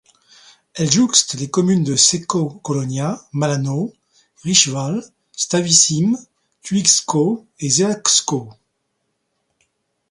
Elle jouxte les communes de Ceków-Kolonia, Malanów, Rychwał, Stawiszyn, Tuliszków et Żelazków.